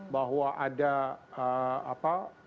bahwa ada apa